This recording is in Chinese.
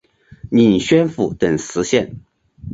领宣府等十县。